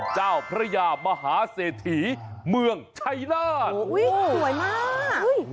เจ้าพระยามหาเศรษฐีเมืองชัยนาศสวยมาก